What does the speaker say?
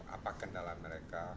apa kendala mereka